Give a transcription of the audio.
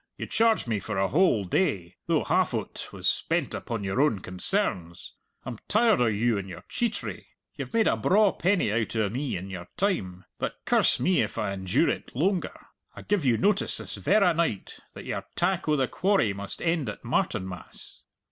You charged me for a whole day, though half o't was spent upon your own concerns. I'm tired o' you and your cheatry. You've made a braw penny out o' me in your time. But curse me if I endure it loanger. I give you notice this verra night that your tack o' the quarry must end at Martinmas."